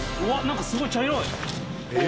何かすごい茶色い！